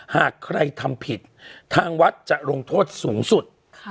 หากใครทำผิดทางวัดจะลงโทษสูงสุด